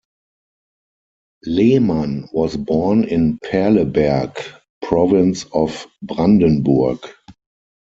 Lehmann was born in Perleberg, Province of Brandenburg.